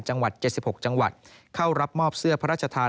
๗๖จังหวัดเข้ารับมอบเสื้อพระราชทาน